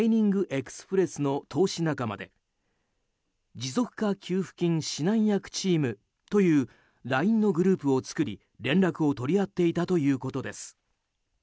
エクスプレスの投資仲間で持続化給付金指南役チームというＬＩＮＥのグループを作り連絡を取り合っていたということです。